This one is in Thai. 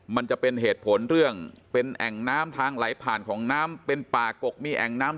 มันจะเป็นเหตุผลเรื่องเป็นแอ่งน้ำทางไหลผ่านของน้ำเป็นป่ากกมีแอ่งน้ำ